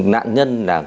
nạn nhân là